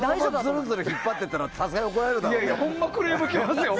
ずるずる引っ張っていったらさすがに怒られるだろうけど。